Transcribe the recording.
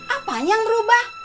apa yang berubah